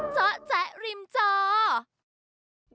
จ๊ะแจ๊ะริมจ้อ